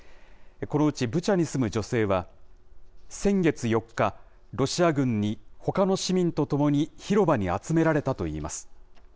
このうちブチャに住む女性は、先月４日、ロシア軍に、ほかの市民と共に広場に集められたといいます。